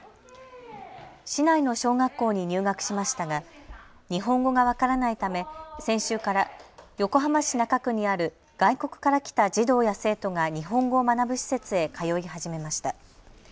市内の小学校に入学しましたが日本語が分からないため先週から横浜市中区にある外国から来た児童や生徒が日本語を学ぶ施設へ通い始めました。